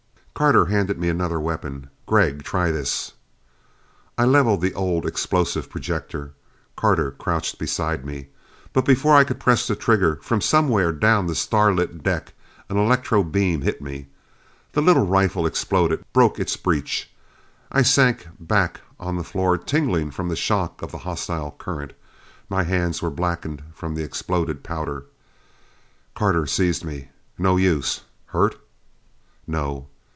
Carter handed me another weapon. "Gregg, try this." I leveled the old explosive projector; Carter crouched beside me. But before I could press the trigger, from somewhere down the starlit deck an electro beam hit me. The little rifle exploded, broke its breech. I sank back to the floor, tingling from the shock of the hostile current. My hands were blackened from the exploded powder. Carter seized me. "No use. Hurt?" "No."